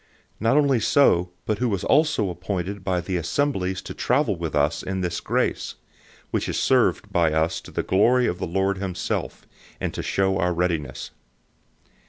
008:019 Not only so, but who was also appointed by the assemblies to travel with us in this grace, which is served by us to the glory of the Lord himself, and to show our readiness.